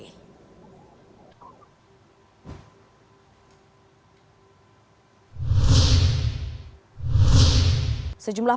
sejumlah paket yang diperlukan untuk mencapai kebutuhan